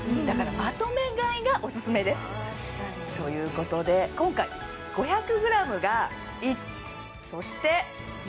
だからまとめ買いがオススメです！ということで今回５００ｇが１そして２！